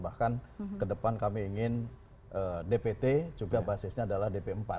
bahkan ke depan kami ingin dpt juga basisnya adalah dp empat